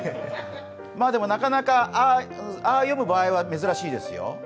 まあ、でもああ読む場合は珍しいですよ。